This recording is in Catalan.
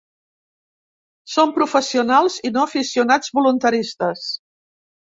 Som professionals i no aficionats voluntaristes.